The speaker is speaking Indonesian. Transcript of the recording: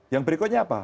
yang berikutnya apa